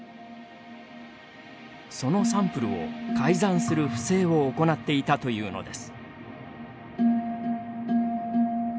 そのサンプルを改ざんする不正を行っていたというのです。